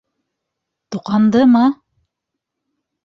Тоҡандымы?